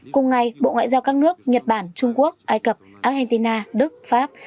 cùng ngày bộ ngoại giao các nước nhật bản trung quốc ai cập argentina đức pháp